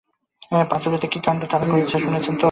পাঁচুড়েতে কী কাণ্ড তারা করেছে শুনেছেন তো?